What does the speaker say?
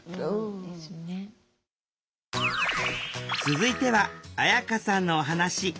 続いては彩夏さんのお話。